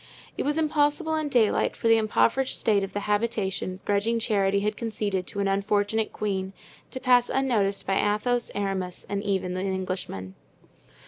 It was impossible in daylight for the impoverished state of the habitation grudging charity had conceded to an unfortunate queen to pass unnoticed by Athos, Aramis, and even the Englishman.